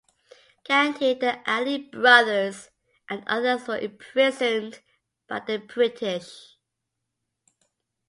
Gandhi, the Ali brothers and others were imprisoned by the British.